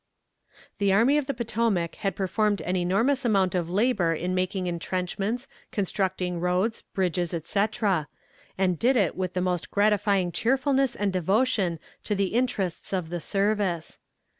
The Army of the Potomac had performed an enormous amount of labor in making entrenchments, constructing roads, bridges, etc., and did it with the most gratifying cheerfulness and devotion to the interests of the service.